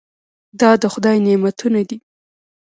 دا د خدای نعمتونه دي.